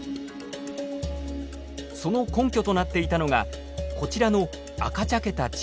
その根拠となっていたのがこちらの赤茶けた地層。